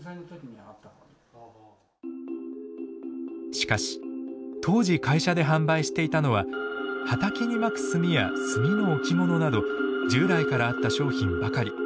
しかし当時会社で販売していたのは畑にまく炭や炭の置物など従来からあった商品ばかり。